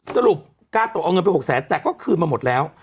สรุปกาตกเอาเงินไป๖แสนแต่ก็คืนมาหมดแล้ว